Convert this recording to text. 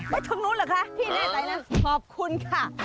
ไม่ตรงนู้นเหรอคะที่นี่ไหนนั่นขอบคุณค่ะ